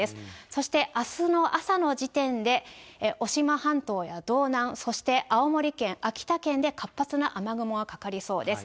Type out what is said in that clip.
そしてあすの朝の時点で、渡島半島や道南、そして青森県、秋田県で活発な雨雲がかかりそうです。